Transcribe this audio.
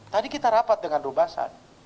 tadi kita rapat dengan rubasan